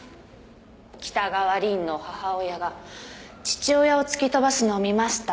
北川凛の母親が父親を突き飛ばすのを見ました。